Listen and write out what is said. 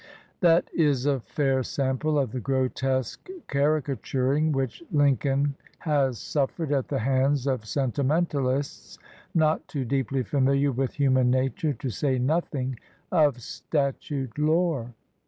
That is a fair sample of the grotesque carica turing which Lincoln has suffered at the hands of sentimentalists not too deeply familiar with human nature, to say nothing of statute lore.